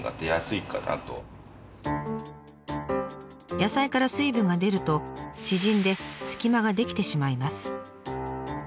野菜から水分が出ると縮んで隙間が出来てしまいます。